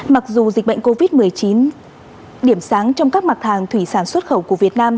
mặc dù dịch bệnh covid một mươi chín điểm sáng trong các mặt hàng thủy sản xuất khẩu của việt nam